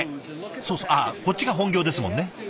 そうそうああこっちが本業ですもんね。